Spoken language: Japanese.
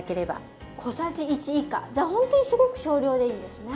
じゃほんとにすごく少量でいいんですね。